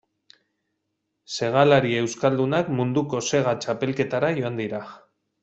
Segalari euskaldunak munduko sega txapelketara joan dira.